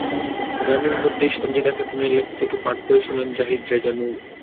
গানের মাঝেই সন্জীদা খাতুনের লেখা থেকে পাঠ করে শোনান জাহীদ রেজা নূর।